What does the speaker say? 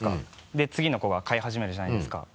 で次の子が買い始めるじゃないですか。